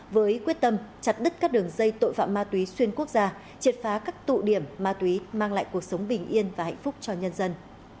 với quyết tâm chặt đứt các đường dây tội phạm ma túy xuyên quốc gia triệt phá các tụ điểm ma túy mang lại cuộc sống bình yên và hạnh phúc cho nhân dân